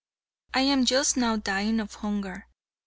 I am just now dying of hunger.